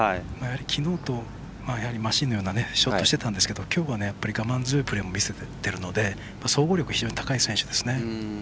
きのうマシーンのようなショットしてたんですけどきょうは我慢強いプレーを見せているので総合力、非常に高い選手ですね。